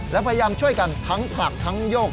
และพยายามช่วยกันทั้งผลักทั้งโยก